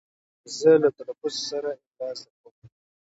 زه له تلفظ سره املا زده کوم.